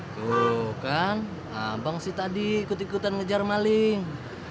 tuh kan abang sih tadi ikut ikutan ngejar maling